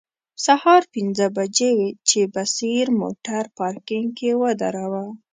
سهار پنځه بجې وې چې بصیر موټر پارکینګ کې و دراوه.